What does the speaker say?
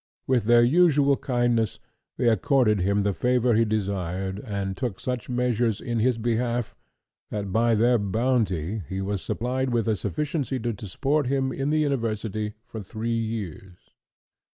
With their usual kindness, they accorded him the favour he desired, and took such measures in his behalf that by their bounty he was supplied with a sufficiency to support him in the university for three years.